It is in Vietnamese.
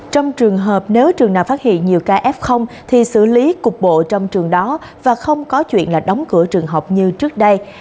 trong trường hợp nếu trường nào phát hiện nhiều ca f thì xử lý cục bộ trong trường đó và không có chuyện là đóng cửa trường học như trước đây